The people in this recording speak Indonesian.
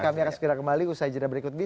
kami akan segera kembali usai jadwal berikut ini